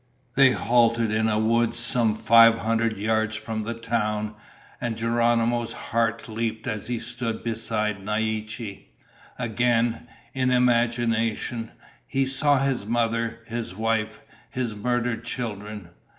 They halted in a woods some five hundred yards from the town, and Geronimo's heart leaped as he stood beside Naiche. Again, in imagination, he saw his mother, his wife, his murdered children.